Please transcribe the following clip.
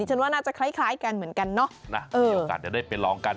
ดิฉันว่าน่าจะคล้ายกันเหมือนกันเนอะเออมีโอกาสจะได้ไปลองกัน